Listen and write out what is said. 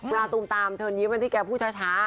ราตูมตามเชิญยิ้มวันที่แกพูดช้า